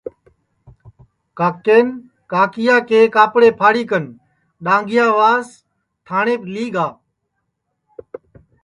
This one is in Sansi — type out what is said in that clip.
کاکین کاکِیا کے کاپڑے پھاڑی کن ڈؔاھنٚگِیا واس تھاٹؔینٚپ لی گِیا